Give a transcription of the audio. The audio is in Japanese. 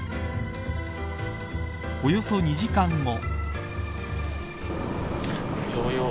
およそ２時間後。